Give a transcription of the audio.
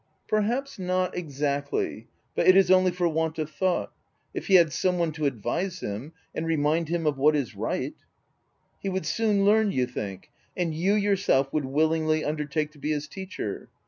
" Perhaps not, exactly ; but it is only for want of thought : if he had some one to advise him, and remind him of what is right —"" He would soon learn, you think — and you yourself would willingly undertake to be his teacher?